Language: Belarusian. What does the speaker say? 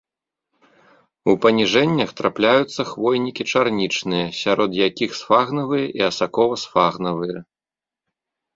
У паніжэннях трапляюцца хвойнікі чарнічныя, сярод якіх сфагнавыя і асакова-сфагнавыя.